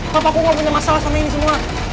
papaku ngomong ada masalah sama ini semua